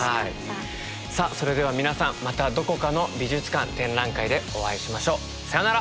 さあそれでは皆さんまたどこかの美術館展覧会でお会いしましょう。さようなら！